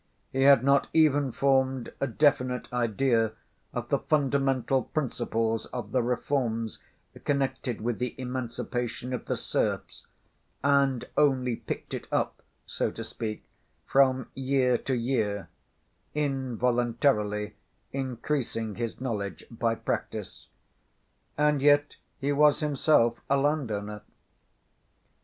He had not even formed a definite idea of the fundamental principles of the reforms connected with the emancipation of the serfs, and only picked it up, so to speak, from year to year, involuntarily increasing his knowledge by practice. And yet he was himself a landowner.